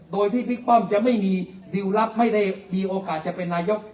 โดยที่บิ๊กป้อมจะไม่มีดิวลลับไม่ได้มีโอกาสจะเป็นนายก